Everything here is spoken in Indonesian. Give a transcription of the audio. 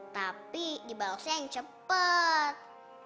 tapi dibalasnya yang cepet